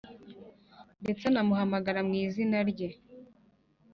ndetse anamuhamagara mu izina rye.